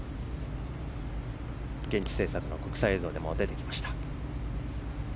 現地制作の国際映像でも出てきました。